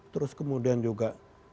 terus kemudian juga